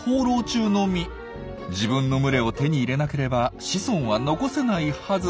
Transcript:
自分の群れを手に入れなければ子孫は残せないはず。